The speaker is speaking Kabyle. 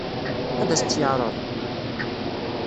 Ad as-tt-yeɛṛeḍ?